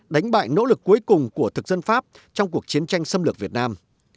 đánh bại nỗ lực cuối cùng của thực dân pháp trong cuộc chiến tranh xâm lược việt nam